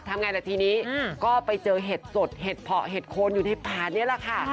ทำไงล่ะทีนี้ก็ไปเจอเห็ดสดเห็ดเพาะเห็ดโคนอยู่ในป่านี่แหละค่ะ